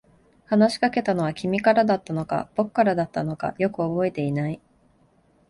話しかけたのは君からだったのか、僕からだったのか、よく覚えていない。